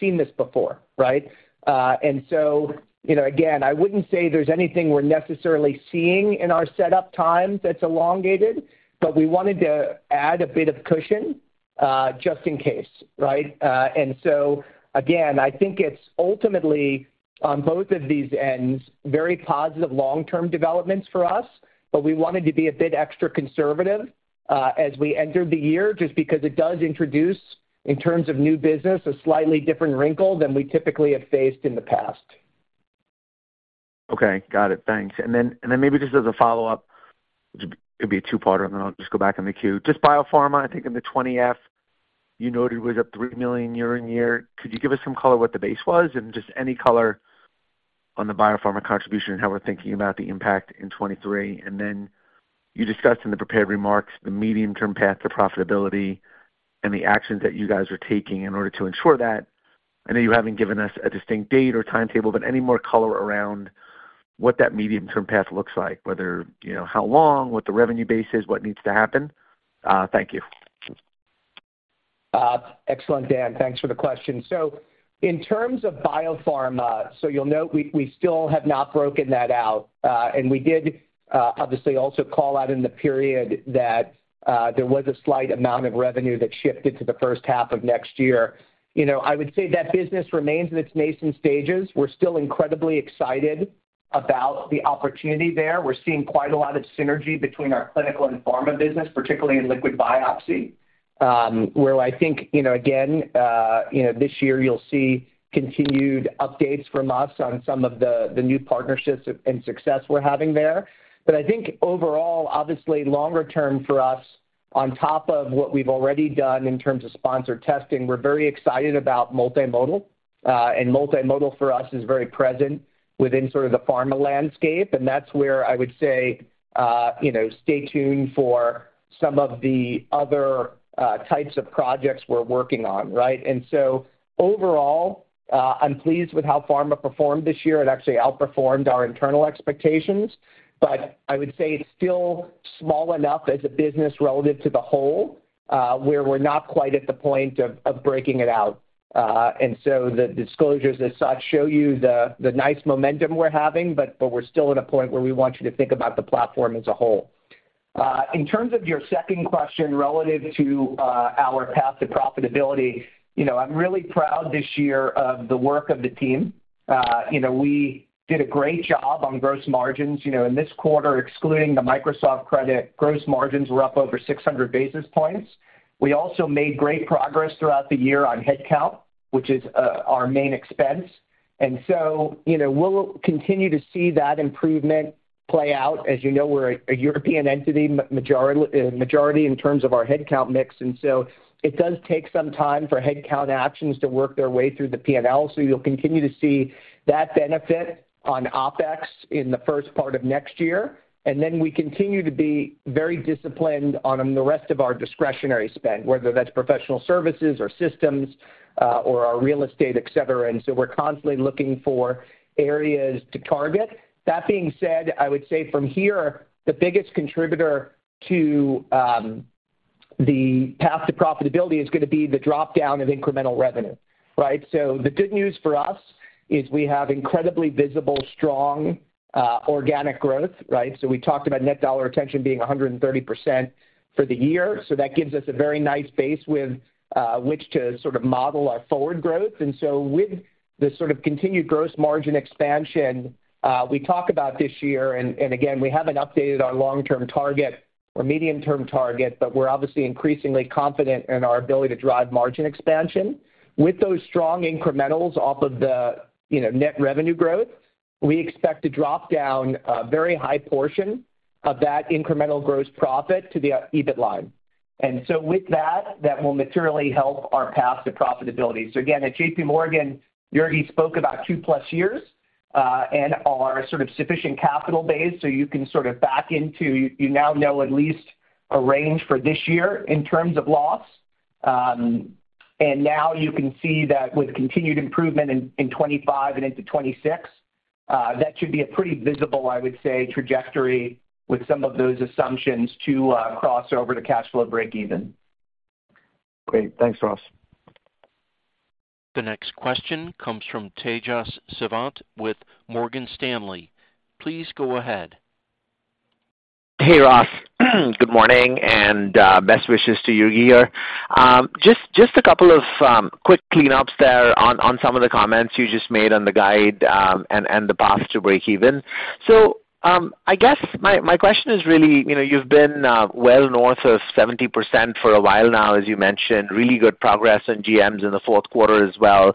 seen this before, right? And so again, I wouldn't say there's anything we're necessarily seeing in our setup time that's elongated, but we wanted to add a bit of cushion just in case, right? And so again, I think it's ultimately on both of these ends, very positive long-term developments for us, but we wanted to be a bit extra conservative as we entered the year just because it does introduce, in terms of new business, a slightly different wrinkle than we typically have faced in the past. Okay. Got it. Thanks. And then maybe just as a follow-up, it'd be a two-parter, and then I'll just go back in the queue. Just biopharma, I think in the 20-F, you noted was up $3 million year-on-year. Could you give us some color what the base was and just any color on the biopharma contribution and how we're thinking about the impact in 2023? And then you discussed in the prepared remarks the medium-term path to profitability and the actions that you guys are taking in order to ensure that. I know you haven't given us a distinct date or timetable, but any more color around what that medium-term path looks like, whether how long, what the revenue base is, what needs to happen? Thank you. Excellent, Dan. Thanks for the question. In terms of biopharma, so you'll note we still have not broken that out. We did, obviously, also call out in the period that there was a slight amount of revenue that shifted to the first half of next year. I would say that business remains in its nascent stages. We're still incredibly excited about the opportunity there. We're seeing quite a lot of synergy between our clinical and pharma business, particularly in liquid biopsy, where I think, again, this year, you'll see continued updates from us on some of the new partnerships and success we're having there. I think overall, obviously, longer-term for us, on top of what we've already done in terms of sponsored testing, we're very excited about multimodal. Multimodal for us is very present within sort of the pharma landscape. And that's where I would say stay tuned for some of the other types of projects we're working on, right? And so overall, I'm pleased with how pharma performed this year. It actually outperformed our internal expectations. But I would say it's still small enough as a business relative to the whole where we're not quite at the point of breaking it out. And so the disclosures as such show you the nice momentum we're having, but we're still in a point where we want you to think about the platform as a whole. In terms of your second question relative to our path to profitability, I'm really proud this year of the work of the team. We did a great job on gross margins. In this quarter, excluding the Microsoft credit, gross margins were up over 600 basis points. We also made great progress throughout the year on headcount, which is our main expense. And so we'll continue to see that improvement play out. As you know, we're a European entity, majority in terms of our headcount mix. And so it does take some time for headcount actions to work their way through the P&L. So you'll continue to see that benefit on OpEx in the first part of next year. And then we continue to be very disciplined on the rest of our discretionary spend, whether that's professional services or systems or our real estate, etc. And so we're constantly looking for areas to target. That being said, I would say from here, the biggest contributor to the path to profitability is going to be the dropdown of incremental revenue, right? So the good news for us is we have incredibly visible, strong organic growth, right? So we talked about net dollar retention being 130% for the year. So that gives us a very nice base with which to sort of model our forward growth. And so with the sort of continued gross margin expansion, we talk about this year, and again, we haven't updated our long-term target or medium-term target, but we're obviously increasingly confident in our ability to drive margin expansion. With those strong incrementals off of the net revenue growth, we expect to drop down a very high portion of that incremental gross profit to the EBIT line. And so with that, that will materially help our path to profitability. So again, at J.P. Morgan, Jurgi spoke about 2+ years and our sort of sufficient capital base. So you can sort of back into you now know at least a range for this year in terms of loss. Now you can see that with continued improvement in 2025 and into 2026, that should be a pretty visible, I would say, trajectory with some of those assumptions to cross over to cash flow break-even. Great. Thanks, Ross. The next question comes from Tejas Savant with Morgan Stanley. Please go ahead. Hey, Ross. Good morning and best wishes to you here. Just a couple of quick cleanups there on some of the comments you just made on the guide and the path to break-even. So I guess my question is really you've been well north of 70% for a while now, as you mentioned, really good progress on GMs in the fourth quarter as well,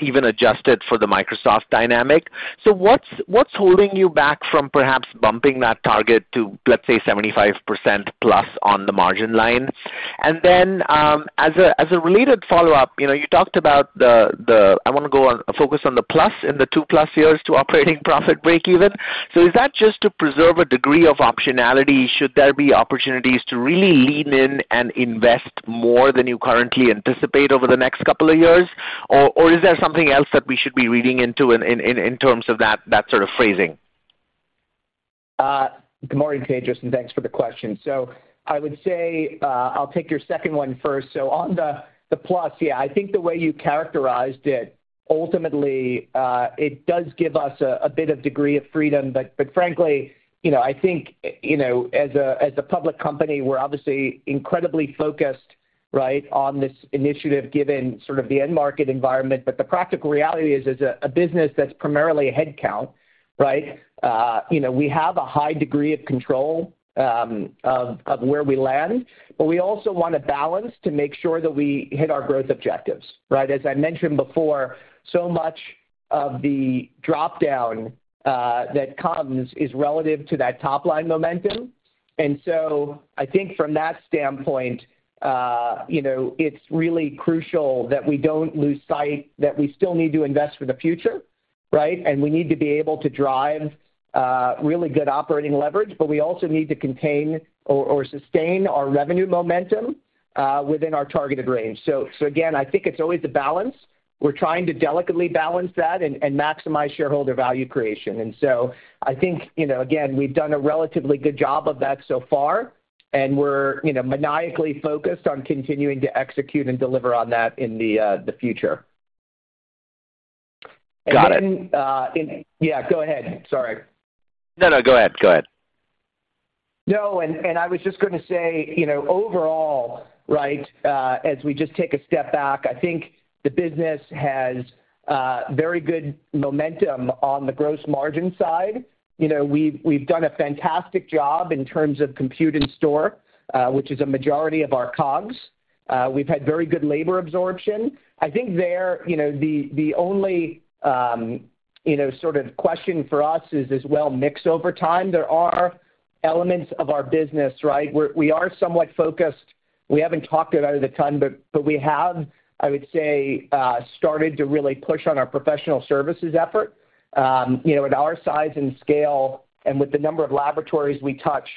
even adjusted for the Microsoft dynamic. So what's holding you back from perhaps bumping that target to, let's say, 75%+ on the margin line? And then as a related follow-up, you talked about the I want to focus on the plus in the 2+ years to operating profit break-even. So is that just to preserve a degree of optionality? Should there be opportunities to really lean in and invest more than you currently anticipate over the next couple of years? Or is there something else that we should be reading into in terms of that sort of phrasing? Good morning, Tejas, and thanks for the question. So I would say I'll take your second one first. So on the plus, yeah, I think the way you characterized it, ultimately, it does give us a bit of degree of freedom. But frankly, I think as a public company, we're obviously incredibly focused, right, on this initiative given sort of the end market environment. But the practical reality is as a business that's primarily headcount, right, we have a high degree of control of where we land. But we also want a balance to make sure that we hit our growth objectives, right? As I mentioned before, so much of the dropdown that comes is relative to that top-line momentum. And so I think from that standpoint, it's really crucial that we don't lose sight that we still need to invest for the future, right? We need to be able to drive really good operating leverage. We also need to contain or sustain our revenue momentum within our targeted range. Again, I think it's always a balance. We're trying to delicately balance that and maximize shareholder value creation. So I think, again, we've done a relatively good job of that so far. We're maniacally focused on continuing to execute and deliver on that in the future. Got it. Yeah, go ahead. Sorry. No, no. Go ahead. Go ahead. No. I was just going to say overall, right, as we just take a step back, I think the business has very good momentum on the gross margin side. We've done a fantastic job in terms of compute infrastructure, which is a majority of our COGS. We've had very good labor absorption. I think the only sort of question for us is the mix over time. There are elements of our business, right? We are somewhat focused. We haven't talked about it a ton, but we have, I would say, started to really push on our professional services effort. At our size and scale and with the number of laboratories we touch,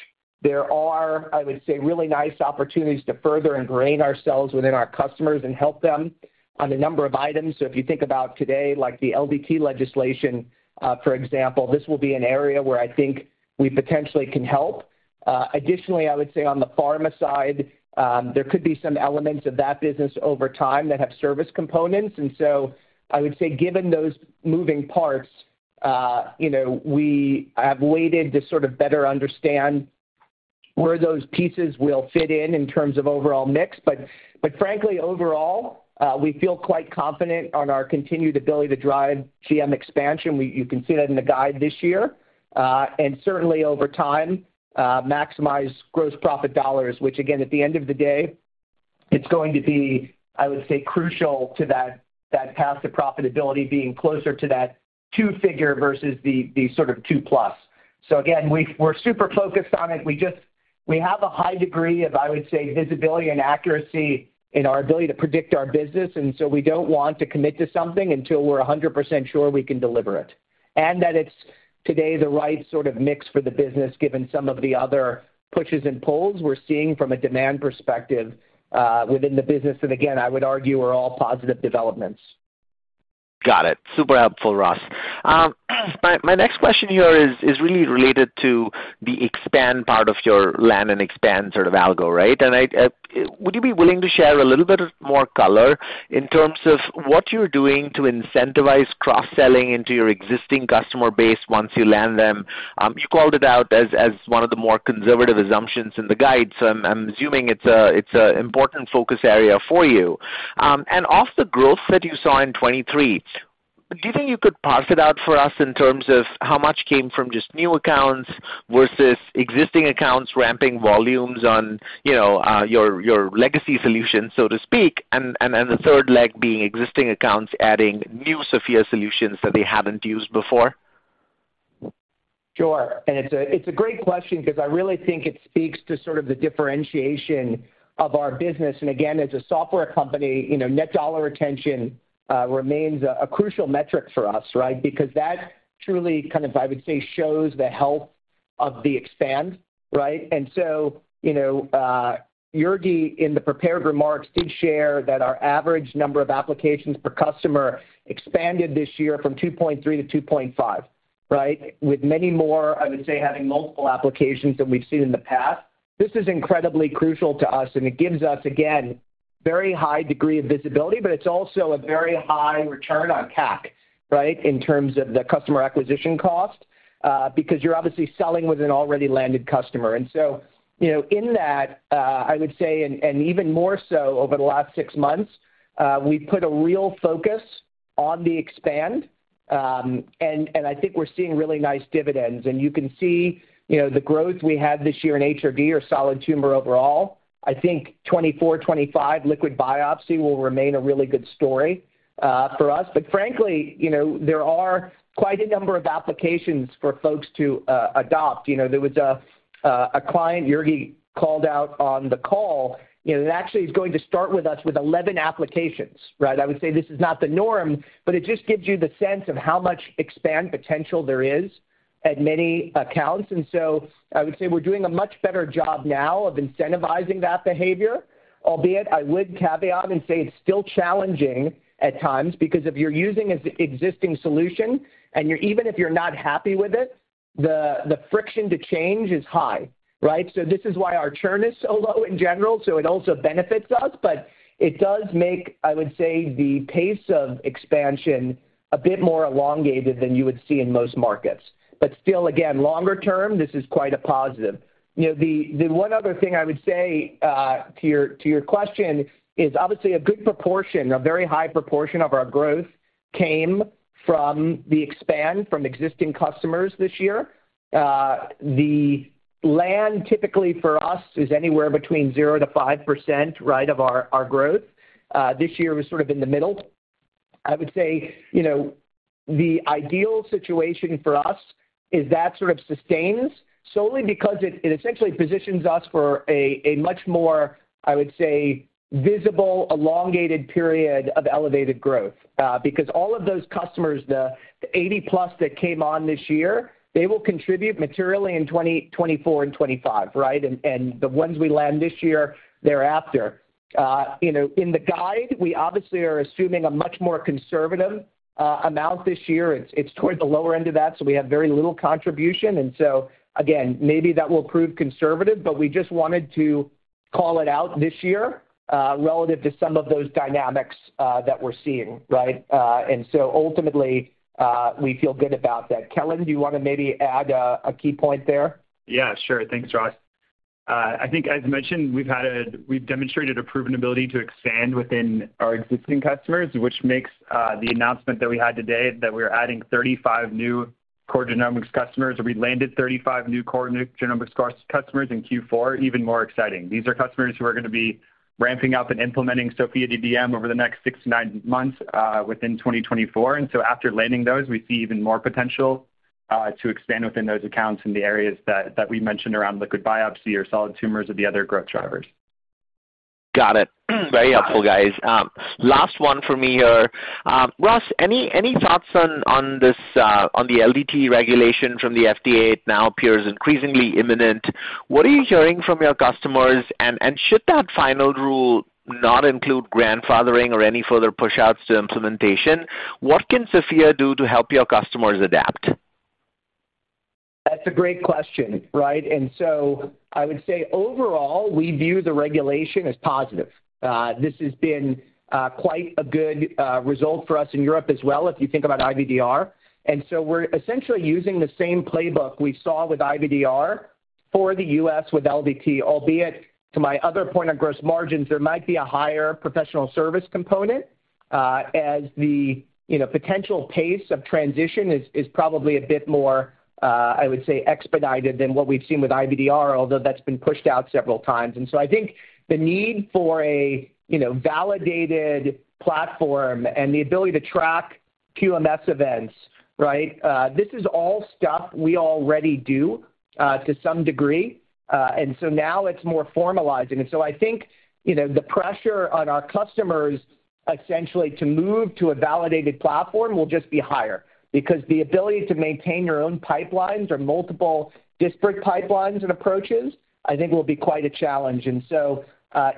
there are, I would say, really nice opportunities to further ingrain ourselves within our customers and help them on a number of items. So if you think about today, like the LDT legislation, for example, this will be an area where I think we potentially can help. Additionally, I would say on the pharma side, there could be some elements of that business over time that have service components. And so I would say given those moving parts, we have waited to sort of better understand where those pieces will fit in in terms of overall mix. But frankly, overall, we feel quite confident on our continued ability to drive GM expansion. You can see that in the guide this year. And certainly over time, maximize gross profit dollars, which again, at the end of the day, it's going to be, I would say, crucial to that path to profitability being closer to that two-figure versus the sort of two-plus. So again, we're super focused on it. We have a high degree of, I would say, visibility and accuracy in our ability to predict our business. And so we don't want to commit to something until we're 100% sure we can deliver it. And that it's today the right sort of mix for the business given some of the other pushes and pulls we're seeing from a demand perspective within the business. And again, I would argue are all positive developments. Got it. Super helpful, Ross. My next question here is really related to the expand part of your land and expand sort of algo, right? And would you be willing to share a little bit more color in terms of what you're doing to incentivize cross-selling into your existing customer base once you land them? You called it out as one of the more conservative assumptions in the guide. So I'm assuming it's an important focus area for you. And off the growth that you saw in 2023, do you think you could parse it out for us in terms of how much came from just new accounts versus existing accounts ramping volumes on your legacy solutions, so to speak, and the third leg being existing accounts adding new SOPHiA solutions that they hadn't used before? Sure. And it's a great question because I really think it speaks to sort of the differentiation of our business. And again, as a software company, net dollar retention remains a crucial metric for us, right? Because that truly kind of, I would say, shows the health of the expansion, right? And so Jurgi in the prepared remarks did share that our average number of applications per customer expanded this year from 2.3-2.5, right, with many more, I would say, having multiple applications than we've seen in the past. This is incredibly crucial to us. And it gives us, again, very high degree of visibility. But it's also a very high return on CAC, right, in terms of the customer acquisition cost because you're obviously selling with an already landed customer. And so in that, I would say, and even more so over the last six months, we put a real focus on the expand. And I think we're seeing really nice dividends. And you can see the growth we had this year in HRD or solid tumor overall. I think 2024, 2025 liquid biopsy will remain a really good story for us. But frankly, there are quite a number of applications for folks to adopt. There was a client Jurgi called out on the call that actually is going to start with us with 11 applications, right? I would say this is not the norm, but it just gives you the sense of how much expand potential there is at many accounts. And so I would say we're doing a much better job now of incentivizing that behavior. Albeit, I would caveat and say it's still challenging at times because if you're using an existing solution and even if you're not happy with it, the friction to change is high, right? So this is why our churn is so low in general. So it also benefits us. But it does make, I would say, the pace of expansion a bit more elongated than you would see in most markets. But still, again, longer term, this is quite a positive. The one other thing I would say to your question is obviously a good proportion, a very high proportion of our growth came from the expand from existing customers this year. The land typically for us is anywhere between 0%-5%, right, of our growth. This year was sort of in the middle. I would say the ideal situation for us is that sort of sustains solely because it essentially positions us for a much more, I would say, visible, elongated period of elevated growth. Because all of those customers, the 80+ that came on this year, they will contribute materially in 2024 and 2025, right? And the ones we land this year thereafter. In the guide, we obviously are assuming a much more conservative amount this year. It's toward the lower end of that. So we have very little contribution. And so again, maybe that will prove conservative. But we just wanted to call it out this year relative to some of those dynamics that we're seeing, right? And so ultimately, we feel good about that. Kellen, do you want to maybe add a key point there? Yeah. Sure. Thanks, Ross. I think as mentioned, we've demonstrated a proven ability to expand within our existing customers, which makes the announcement that we had today that we're adding 35 new core genomics customers or we landed 35 new core genomics customers in Q4 even more exciting. These are customers who are going to be ramping up and implementing SOPHiA DDM over the next six to nine months within 2024. And so after landing those, we see even more potential to expand within those accounts in the areas that we mentioned around liquid biopsy or solid tumors or the other growth drivers. Got it. Very helpful, guys. Last one for me here. Ross, any thoughts on the LDT regulation from the FDA? It now appears increasingly imminent. What are you hearing from your customers? And should that final rule not include grandfathering or any further pushouts to implementation, what can SOPHiA do to help your customers adapt? That's a great question, right? I would say overall, we view the regulation as positive. This has been quite a good result for us in Europe as well if you think about IVDR. We're essentially using the same playbook we saw with IVDR for the U.S. with LDT. Albeit, to my other point on gross margins, there might be a higher professional service component as the potential pace of transition is probably a bit more, I would say, expedited than what we've seen with IVDR, although that's been pushed out several times. I think the need for a validated platform and the ability to track QMS events, right, this is all stuff we already do to some degree. Now it's more formalizing. And so I think the pressure on our customers essentially to move to a validated platform will just be higher because the ability to maintain your own pipelines or multiple disparate pipelines and approaches, I think, will be quite a challenge. And so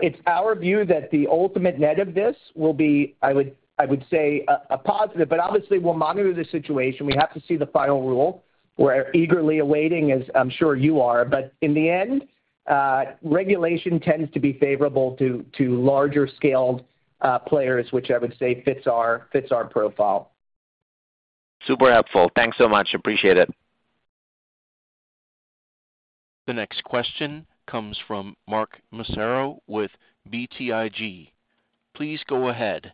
it's our view that the ultimate net of this will be, I would say, a positive. But obviously, we'll monitor the situation. We have to see the final rule. We're eagerly awaiting, as I'm sure you are. But in the end, regulation tends to be favorable to larger-scaled players, which I would say fits our profile. Super helpful. Thanks so much. Appreciate it. The next question comes from Mark Massaro with BTIG. Please go ahead.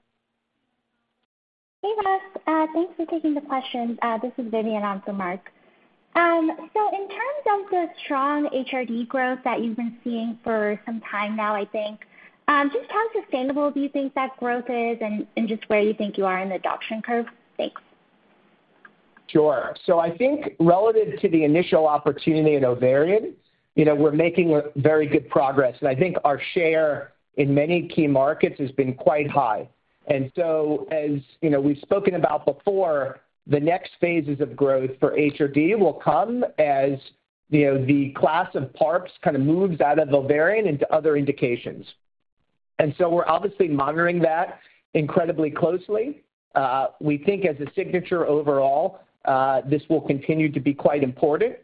Hey, Ross. Thanks for taking the questions. This is Vidyun on for Mark. So in terms of the strong HRD growth that you've been seeing for some time now, I think, just how sustainable do you think that growth is and just where you think you are in the adoption curve? Thanks. Sure. So I think relative to the initial opportunity in ovarian, we're making very good progress. And I think our share in many key markets has been quite high. And so as we've spoken about before, the next phases of growth for HRD will come as the class of PARPs kind of moves out of ovarian into other indications. And so we're obviously monitoring that incredibly closely. We think as a signature overall, this will continue to be quite important.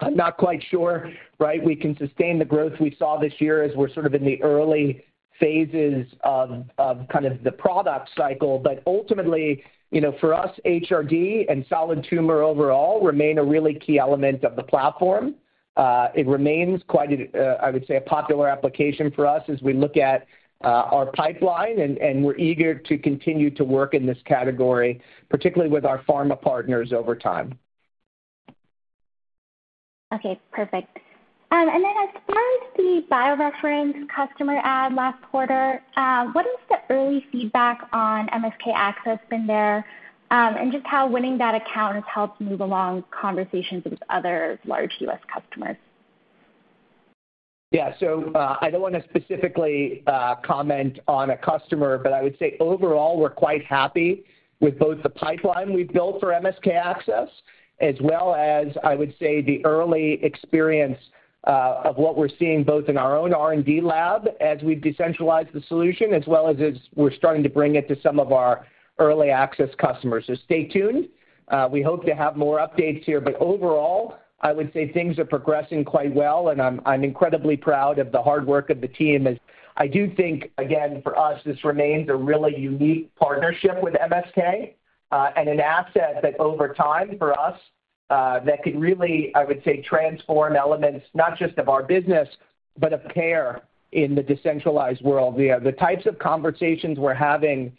I'm not quite sure, right, we can sustain the growth we saw this year as we're sort of in the early phases of kind of the product cycle. But ultimately, for us, HRD and solid tumor overall remain a really key element of the platform. It remains quite, I would say, a popular application for us as we look at our pipeline. We're eager to continue to work in this category, particularly with our pharma partners over time. Okay. Perfect. And then as far as the BioReference customer added last quarter, what has the early feedback on MSK-ACCESS been there and just how winning that account has helped move along conversations with other large U.S. customers? Yeah. So I don't want to specifically comment on a customer. But I would say overall, we're quite happy with both the pipeline we've built for MSK-ACCESS as well as, I would say, the early experience of what we're seeing both in our own R&D lab as we've decentralized the solution as well as we're starting to bring it to some of our early access customers. So stay tuned. We hope to have more updates here. But overall, I would say things are progressing quite well. And I'm incredibly proud of the hard work of the team. I do think, again, for us, this remains a really unique partnership with MSK and an asset that over time for us that could really, I would say, transform elements not just of our business but of care in the decentralized world. The types of conversations we're having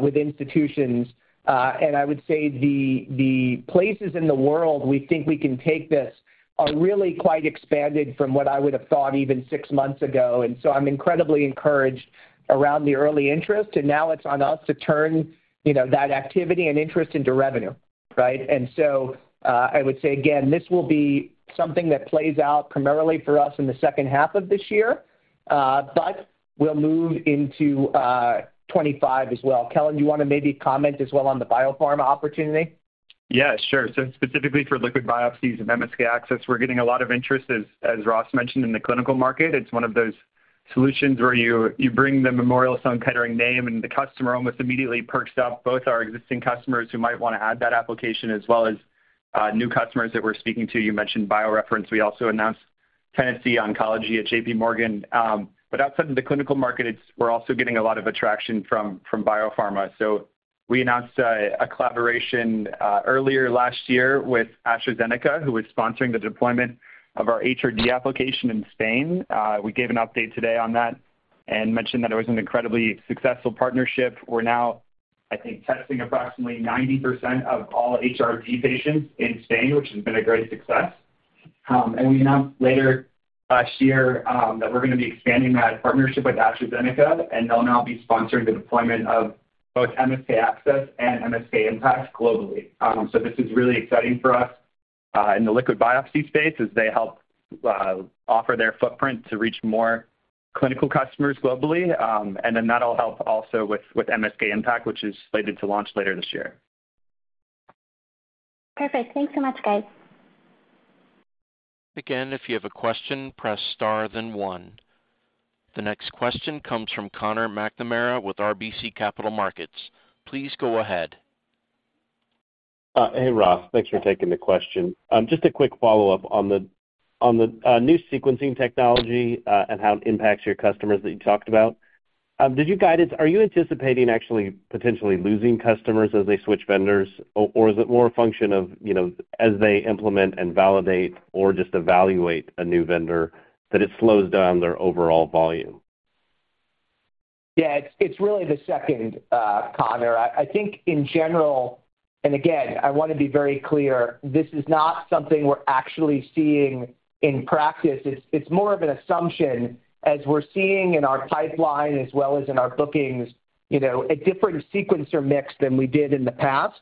with institutions and I would say the places in the world we think we can take this are really quite expanded from what I would have thought even six months ago. And so I'm incredibly encouraged around the early interest. And now it's on us to turn that activity and interest into revenue, right? And so I would say, again, this will be something that plays out primarily for us in the second half of this year. But we'll move into 2025 as well. Kellen, do you want to maybe comment as well on the biopharma opportunity? Yeah. Sure. So specifically for liquid biopsies and MSK-ACCESS, we're getting a lot of interest, as Ross mentioned, in the clinical market. It's one of those solutions where you bring the Memorial Sloan Kettering name, and the customer almost immediately perks up both our existing customers who might want to add that application as well as new customers that we're speaking to. You mentioned BioReference. We also announced Tennessee Oncology at JPMorgan. But outside of the clinical market, we're also getting a lot of attraction from biopharma. So we announced a collaboration earlier last year with AstraZeneca, who was sponsoring the deployment of our HRD application in Spain. We gave an update today on that and mentioned that it was an incredibly successful partnership. We're now, I think, testing approximately 90% of all HRD patients in Spain, which has been a great success. We announced later last year that we're going to be expanding that partnership with AstraZeneca. They'll now be sponsoring the deployment of both MSK-ACCESS and MSK-IMPACT globally. This is really exciting for us in the liquid biopsy space as they help offer their footprint to reach more clinical customers globally. That'll help also with MSK-IMPACT, which is slated to launch later this year. Perfect. Thanks so much, guys. Again, if you have a question, press star then one. The next question comes from Connor McNamara with RBC Capital Markets. Please go ahead. Hey, Ross. Thanks for taking the question. Just a quick follow-up on the new sequencing technology and how it impacts your customers that you talked about. Are you anticipating actually potentially losing customers as they switch vendors? Or is it more a function of as they implement and validate or just evaluate a new vendor that it slows down their overall volume? Yeah. It's really the second, Connor. I think in general and again, I want to be very clear, this is not something we're actually seeing in practice. It's more of an assumption as we're seeing in our pipeline as well as in our bookings a different sequencer mix than we did in the past.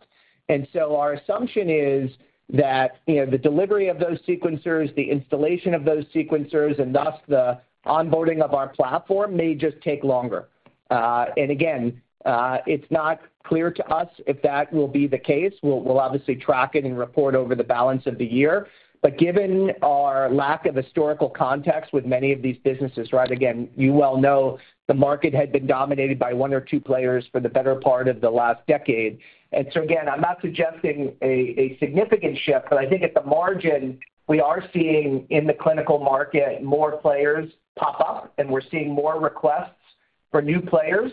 And so our assumption is that the delivery of those sequencers, the installation of those sequencers, and thus the onboarding of our platform may just take longer. And again, it's not clear to us if that will be the case. We'll obviously track it and report over the balance of the year. But given our lack of historical context with many of these businesses, right, again, you well know the market had been dominated by one or two players for the better part of the last decade. And so again, I'm not suggesting a significant shift. But I think at the margin, we are seeing in the clinical market more players pop up. We're seeing more requests for new players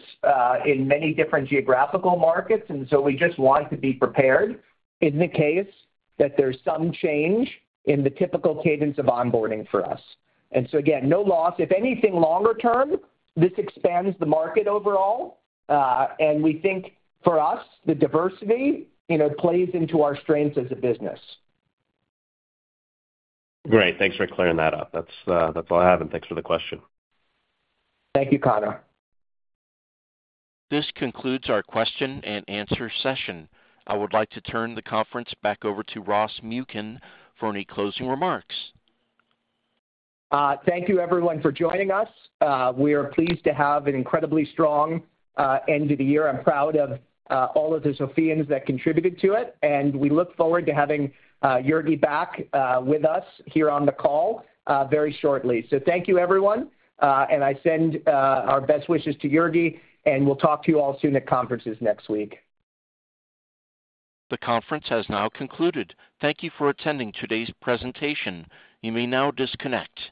in many different geographical markets. So we just want to be prepared in the case that there's some change in the typical cadence of onboarding for us. Again, no loss. If anything, longer term, this expands the market overall. We think for us, the diversity plays into our strengths as a business. Great. Thanks for clearing that up. That's all I have. Thanks for the question. Thank you, Connor. This concludes our question and answer session. I would like to turn the conference back over to Ross Muken for any closing remarks. Thank you, everyone, for joining us. We are pleased to have an incredibly strong end of the year. I'm proud of all of the Sophians that contributed to it. We look forward to having Jurgi back with us here on the call very shortly. Thank you, everyone. I send our best wishes to Jurgi. We'll talk to you all soon at conferences next week. The conference has now concluded. Thank you for attending today's presentation. You may now disconnect.